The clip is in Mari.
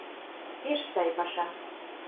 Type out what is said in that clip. Пеш сай паша.